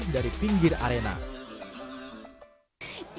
dan juga memberikan instruksi kepada anaknya